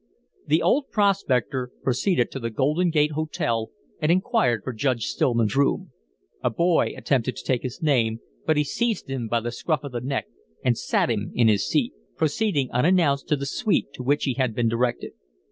The old prospector proceeded to the Golden Gate Hotel and inquired for Judge Stillman's room. A boy attempted to take his name, but he seized him by the scruff of the neck and sat him in his seat, proceeding unannounced to the suite to which he had been directed.